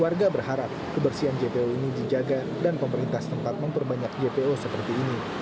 warga berharap kebersihan jpo ini dijaga dan pemerintah setempat memperbanyak jpo seperti ini